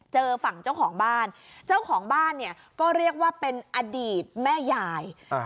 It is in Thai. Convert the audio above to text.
เจอฝั่งเจ้าของบ้านเจ้าของบ้านเนี่ยก็เรียกว่าเป็นอดีตแม่ยาย